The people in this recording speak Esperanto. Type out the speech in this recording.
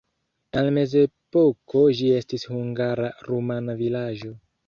En mezepoko ĝi estis hungara-rumana vilaĝo.